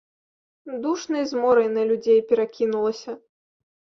Душнай зморай на людзей перакінулася.